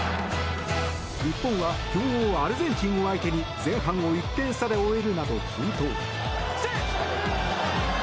日本は強豪アルゼンチンを相手に前半を１点差で終えるなど奮闘。